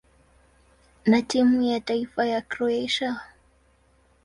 na timu ya taifa ya Kroatia.